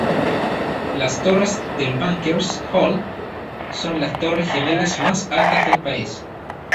Las torres del Bankers Hall son las torres gemelas más altas del país.